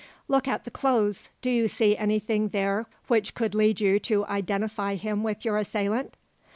"Look at the clothes. Do you see anything there which could lead you to identify him with your assailant?"